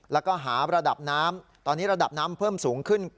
แล้วก็หาระดับน้ำตอนนี้ระดับน้ำเพิ่มสูงขึ้น